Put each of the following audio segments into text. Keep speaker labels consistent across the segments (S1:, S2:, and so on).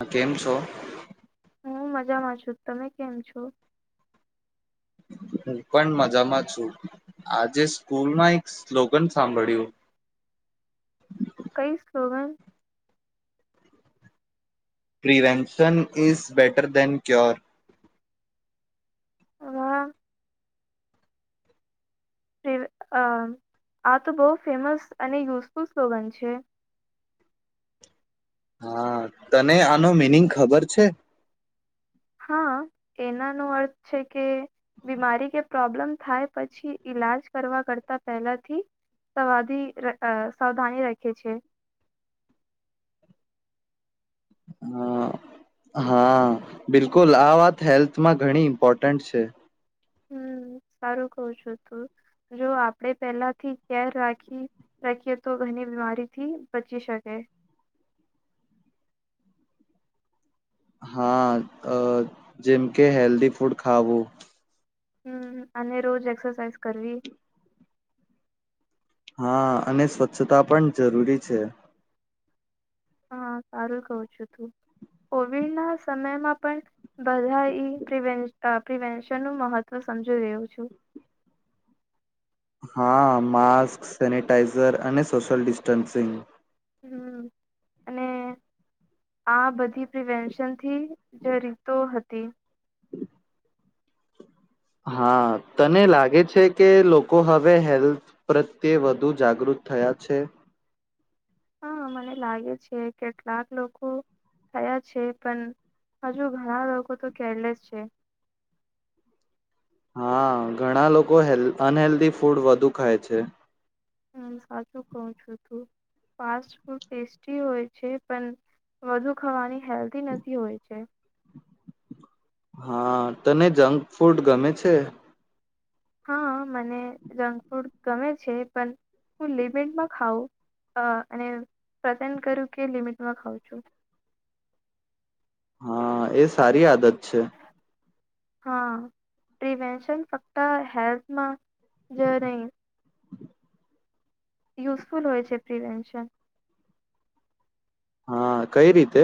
S1: આ કેમ છો?
S2: હું મજામાં છું તમે કેમ છો?
S1: હું પણ મજામાં છું આજે સ્કૂલમાં એક સ્લોગન સાંભળ્યું
S2: કઈ સોવેન
S1: prevention is better than cure
S2: હ આ તો બહુ ફેમસ અને યુઝફુલ સ્લોગન છે.
S1: હા તને આનો મિનિંગ ખબર છે
S2: હા એનાનો અર્થ છે કે બીમારી કે પ્રોબ્લેમ થાય પછી ઈલાજ કરવા કરતા પહેલાથી સવાધ સાવધાની રાખિએ છે.
S1: હા હા બિલકુલ આ વાત હેલ્થમાં ઘણી ઇમ્પોર્ટન્ટ છે.
S2: હમ સારું કવ છું તું જો આપણે પહેલાથી કેર રાખી રાખીએ તો ઘણી બીમારીથી બચી શકે
S1: હા જેમ કે હેલ્ધી ફૂડ ખાવું
S2: હમ અને રોજ એક્સરસાઇઝ કરવી
S1: હા અને સ્વચ્છતા પણ જરૂરી છે.
S2: હા સારું કહઉ છું તું કોવિડના સમયમાં પણ બધા એ પ્ર પ્રિવેન્શનનું મહત્વ સમજી રહ્યો છું
S1: હા માસ્ક સેનટાઈઝર અને સોશિયલ ડિસ્ટન્સિંગ
S2: હમ અને આ બધી પ્રિવેન્શનથી જે રીતો હતી.
S1: હા તને લાગે છે કે લોકો હવે હેલ્થ પ્રત્યે વધુ જાગૃત થયા છે.
S2: હા મને લાગે છે કેટલાક લોકો થયા છે પણ હજુ ઘણા લોકો તો કેરલેસ છે.
S1: હા ઘણા લોકો હેલ્ અનહેલ્ધી ફૂડ વધુ ખાય છે.
S2: હમ સાચું કઉ છું તું ફાસ્ટ ફૂડ ટેસ્ટી હોય છે પણ વધુ ખાવાની હેલ્ધી નથી હોય છે.
S1: હા તને જંક ફૂડ ગમે છે..
S2: હા મને જંક ફૂડ ગમે છે પણ હું લિમિટમાં ખઉં અને પસન્ટ કરું કે લિમિટમાં ખઉં છું.
S1: હા એ સારી આદત છે.
S2: હા પ્રિવેન્શન ફક્ત હેલ્થમાં જ નહી. યુઝફુ હો છે પ્રિભન્શન.
S1: હા કઈ રીતે.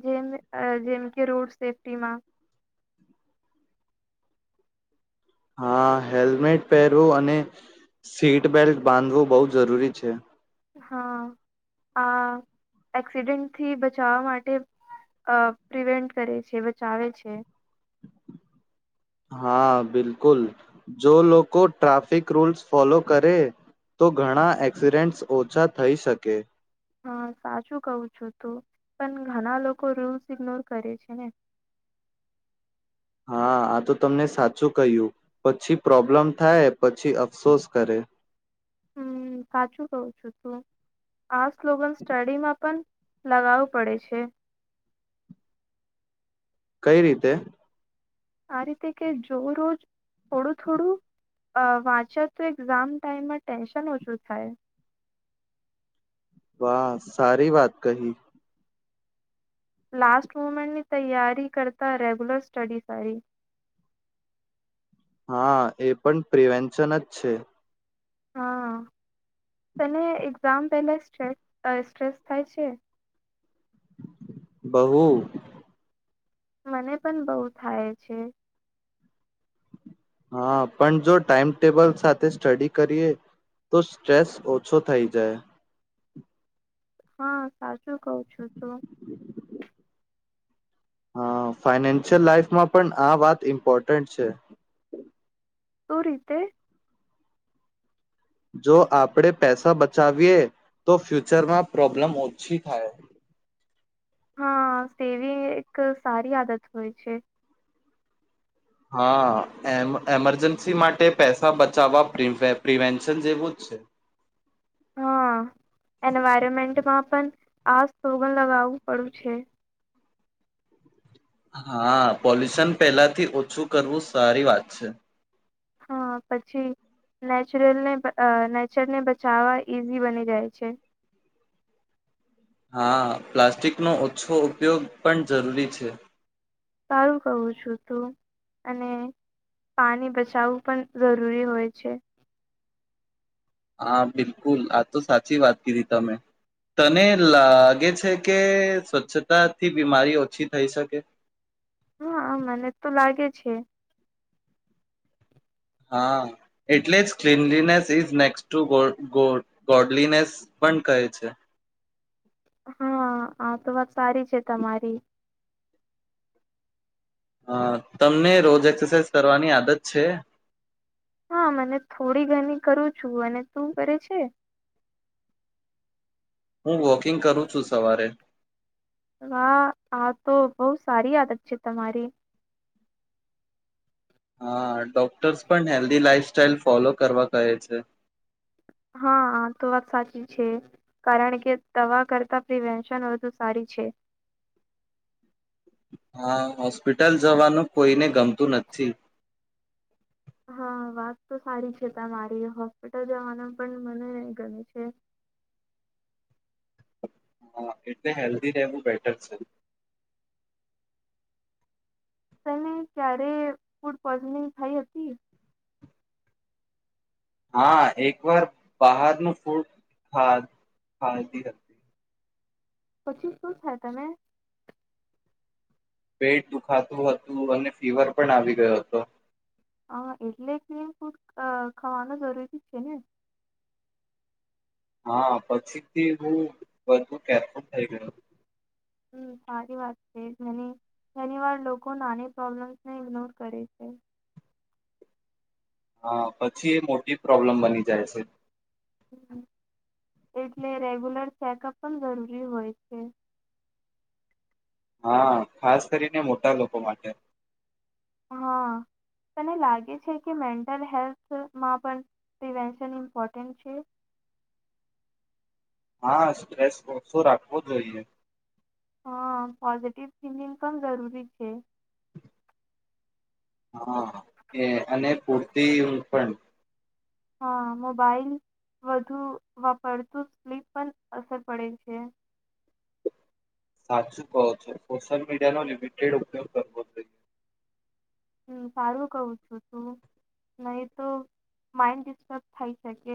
S2: જે જેમ કે રોડ સેફ્ટીમાં.
S1: હા હેલ્મેટ પહેરવું અને સીટબેલ્ટ બાંધવું બહુ જરૂરી છે.
S2: હા આ એક્સિડેન્ટથી બચાવવા માટે અ પ્રિવેન્ટ કરે છે બચાવે છે.
S1: હા બિલકુલ જો લોકો ટ્રાફિક રૂલ્સ ફોલો કરે તો ઘણા એક્સિડેન્ટ્સ ઓછા થઈ શકે.
S2: હા સાચું કવ છું તું પણ ઘણા લોકો રૂલ્સ ઇગ્નોર કરે છે ને.
S1: હા આ તો તમને સાચું કહ્યું પછી પ્રોબ્લેમ થાય પછી અફસોસ કરે.
S2: હમ સાચું કવું છુ તું આ સ્લોગન સ્ટડીમાં પણ લગાવું પડે છે.
S1: કઈ રીતે.
S2: આ રીતે કે જો રોજ થોડું થોડું અ વાંચ્યા તો એક્ઝામ ટાઈમમાં ટેન્શન ઓછું થાય
S1: વાહ સારી વાત કહી
S2: લાસ્ટ મુમેન્ટની તૈયારી કરતા રેગ્યુલર સ્ટડી કરી
S1: હા એ પણ પ્રિવેન્શન જ છે.
S2: હા તને એક્ઝામ પહેલા સ્ટેસ અ સ્ટ્રેસ થાય છે.
S1: બહુ
S2: મને પણ બહુ થાય છે.
S1: હા પણ જો ટાઈમટેબલ સાથે સ્ટડી કરીએ તો સ્ટ્રેસ ઓછો થઈ જાય
S2: હા સાચું કઉ છું તો
S1: હા ફાઈનાન્શિયલ લાઈફમાં પણ આ વાત ઇમ્પોર્ટન્ટ છે.
S2: તો રીતે
S1: જો આપણે પૈસા બચાવીએ તો ફ્યુચરમાં પ્રોબ્લેમ ઓછી થાય
S2: હા સેવી એક સારી આદત હોય છે.
S1: હા એમ એમરજન્સી માટે પૈસા બચાવવા પિરવે પ્રિવેન્શન જેવું જ છે.
S2: હા એન્વાયરમેન્ટમાં પણ આ સોગન લગાવવું પડ્યું છે.
S1: હા પોલ્યુશન પહેલાથી ઓછું કરવું સારી વાત છે.
S2: હા પછી નેચરલને અ નેચરને બચાવવા ઈઝી બની જાય છે.
S1: હા પ્લાસ્ટિકનો ઓછો ઉપયોગ પણ જરૂરી છે.
S2: સારું કહું છું તું અને પાણી બચાવવું પણ જરૂરી હોય છે.
S1: હા બિલકુલ આ તો સાચી વાત કીધી તમે તને લાગે છે કે સ્વચ્છતા થી બીમારી ઓછી થઈ શકે.
S2: હા મને તો લાગે છે.
S1: હા એટલે જ cleanliness is next to go go godliness પણ કહે છે.
S2: હા આ તો વાત સારી છે તમારી
S1: હ તમને રોજ એક્સરસાઇઝ કરવાની આદત છે.
S2: હા મને થોડી ઘણી કરું છું અને તું કરે છે.
S1: હું વોકિંગ કરું છું સવારે
S2: વાહ આ તો બહુ સારી આદત છે તમારી
S1: હા ડોક્ટર્સ પણ હેલ્ધી લાઈફ સ્ટાઈઇલ ફોલો કરવા કહે છે.
S2: હા આતો વાત સાચી છે કારણ કે દવા કરતા પ્રિવેશન વધુ સારી છે.
S1: હા હોસ્પિટલ જવાનું કોઈને ગમતું નથી.
S2: હા વાત તો સારી છે તમારી હોસ્પિટલ જવાના પણ મને ગમે છે.
S1: હા એટલે હેલ્ધી રહેેવું બેટર છે.
S2: તને ક્યારે ફૂડ પોઈઝનિંગ થઇ હતી.
S1: હા એક વાર બહારનું ફૂડ ખા ખાતી હતી.
S2: પછી શું થાય તમે
S1: પેટ દુખાતું હતું અને ફીવર પણ આવી ગયો હતો.
S2: હા એટલે કે ફૂડ અ ખાવાનું જરૂરી જ છે ને
S1: હા પછીથી હું બધું કેરફુલ થઈ ગયો
S2: હમ સારી વાત છે ઘણી વાર લોકો નાની પ્રોબ્લેમ્સ ને ઈગ્નોર કરે છે.
S1: હા પછી એ મોટી પ્રોબ્લેમ બની જાય છે.
S2: એટલે રેગ્યુલર ચેકઅપ પણ જરૂરી હોય છે.
S1: હા ખાસ કરીને મોટા લોકો માટે
S2: હા તને લાગે છે કે મેન્ટલ હેલ્થમાં પણ પ્રિવેન્શન ઇમ્પોર્ટન્ટ છે.
S1: હા સ્ટ્રેસ ઓછું રાખવો જોઈએ.
S2: હા પોઝિટિવ થિંકિંગ પણ જરૂરી છે.
S1: હા એ અને પૂતિ ઉલ્પણ.
S2: હા મોબાઈલ વધુ વાપરતું સ્લીપ પણ અસર પડે છે.
S1: સાચું કહો છો સોશિયલ મીડિયાનો લિમિટેડ ઉપયોગ કરવો જોઈએ.
S2: હમ સારું કહું છું તું, નહી તો માઈન્ડ ડિસ્ટર્બ થઈ શકે.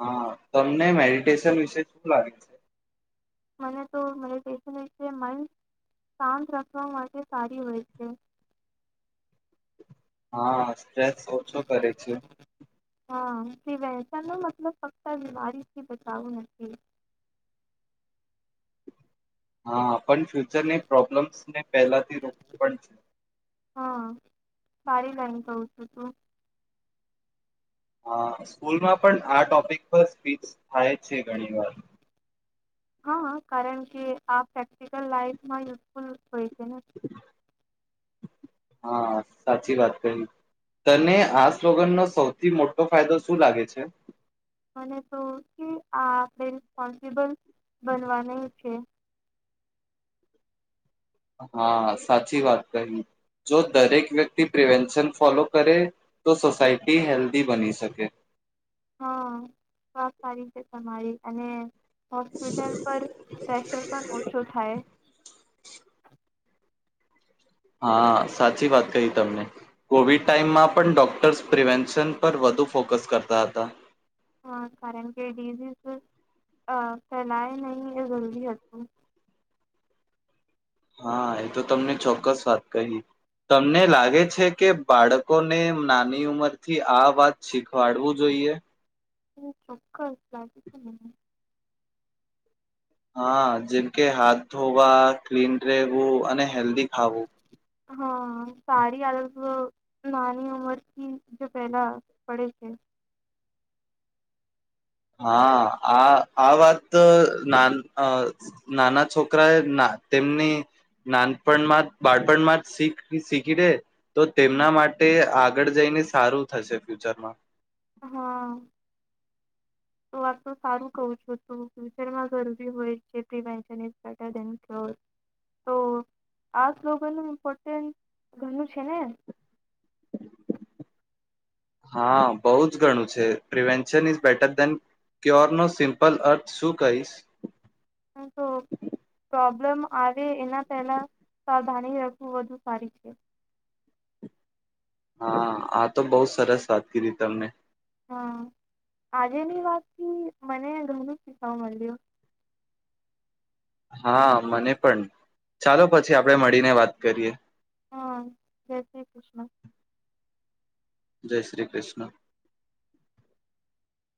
S1: હા તમને મેડિટેશન વિશે શું લાગે છે?
S2: મને તો મરે છેન છે મન શાંત રાખવા માટે સારી હોય છે.
S1: હા સ્ટ્રેસ ઓછો કરે છે.
S2: હા કે વહેસણ ન મતલબ ફક્ત બીમારીથી બચાવું નથી.
S1: હા. પણ ફ્યુચરને પ્રોબ્લેમ્સને પહેલાથી રોકવું પણ છે.
S2: તો તો
S1: હ સ્કૂલમાં પણ આ ટોપિક પર સ્પીચ થાય છે ઘણી વાર.
S2: હા કારણ કે આ પ્રેક્ટિકલ લાઈફમાં યુઝફુલ હોય છેને.
S1: હા સાચી વાત કહી, તને આ સ્લોગન નો સૌથી મોટો ફાયદો શું લાગે છે?
S2: મને તો કે આ આપણે રિસ્પોન્સિબલ બનવાનું છે.
S1: હા સાચી વાત કહી, જો દરેક વ્યક્તિ પ્રિવેન્શન ફોલો કરે, તો સોસાયટી હેલ્ધી બની શકે.
S2: હા સ સારી છે તમારી અને હોસ્પિટલ પર પ્રેશર પણ ઓછું થાય. [inaudible]
S1: હા સાચી વાત કહી તમને, કોવિડ ટાઈમમાં પણ ડોક્ટર્સ પ્રિવેન્શન પર વધુ ફોકસ કરતા હતા.
S2: હા કારણ કે ડિઝઝ ફેલાય નહી એ જરૂદી હતું.
S1: હા એ તો તમને ચોક્કસ વાત કહી. તમને લાગે છે કે બાળકોને નાની ઉંમરથી આ વાત શીખવાડવું જોઈએ?
S2: એ ચોક્કસ લાગી છે.
S1: હા જેમ કે હાથ ધોવા ક્લીન રહેવું અને હેલ્ધી ખાવું.
S2: હા સારી આદત નાની ઉમર ક જે પહેલા પડે છે.
S1: હા આ આ વાત ના નાના છોકરા એ તેમની, નાનપણમાં જ બાળપણમાં જીખ શીખી દે. તો તેમના માટે આગળ જઈને સારું થશે ફ્યુચરમાં.
S2: હા, તો આપ તો સારું કવ છું તું ફ્યુચરમાં ઘરભી હોય છે પ્રવેશન ટરે, તો આ સ્લોગનનું ઇમ્પોર્ટન્સ ઘણું છે ને.
S1: હા બોઉ જ ઘણું છે, પ્રિવેન્શન ઇઝ બેટર દેન ક્યોરનો સિમ્પલ અર્થ શું કહીશ?
S2: તો પ્રોબ્લેમ આવે એના પહેલા, સાવધાની રાખવું વધુ સારી છે.
S1: હા આ તો બો સરસ વાત કરી તમને.
S2: હ, આજેની વાત મને ઘમણું શીખવા મલયુ.
S1: હા મને પણ, ચાલો પછી આપડે મળીને વાત કરીએ.
S2: હા જય શ્રી કૃષ્ણ.
S1: જય શ્રી કૃષ્ણ.